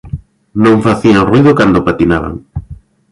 Non facían ruído cando patinaban.